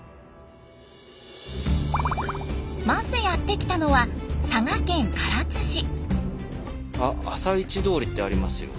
まずやって来たのは「朝市通り」ってありますよ。